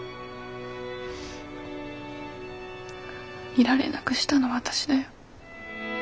いられなくしたの私だよ。